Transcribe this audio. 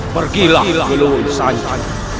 pergilah di luar sana